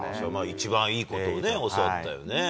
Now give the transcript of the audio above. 一番いいことをね、教わったよね。